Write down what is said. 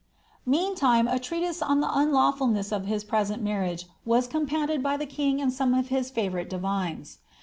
Meantime a treatise on the unlawfulness of his present marriage wai compounded by the king and some of his favourite divines.